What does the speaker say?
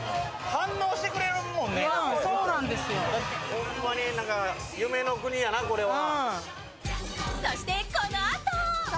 ホンマに夢の国やな、これは。